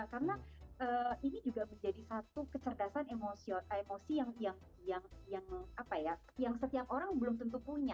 karena ini juga menjadi satu kecerdasan emosi yang setiap orang belum tentu punya